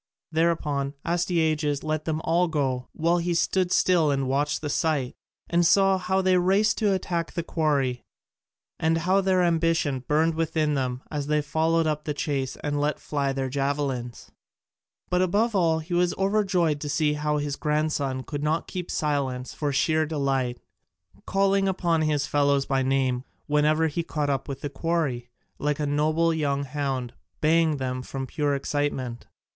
Thereupon Astyages let them all go, while he stood still and watched the sight, and saw how they raced to attack the quarry and how their ambition burned within them as they followed up the chase and let fly their javelins. But above all he was overjoyed to see how his grandson could not keep silence for sheer delight, calling upon his fellows by name whenever he came up with the quarry, like a noble young hound, baying from pure excitement.